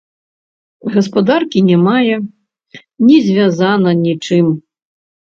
Гаспадаркі не мае, не звязана нічым.